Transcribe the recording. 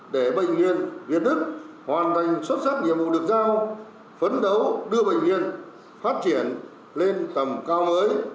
để bệnh viện việt đức hoàn thành xuất sắc nhiệm vụ được giao phấn đấu đưa bệnh viện phát triển lên tầm cao mới